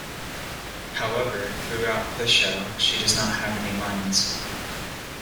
However, throughout the show, she does not have any lines.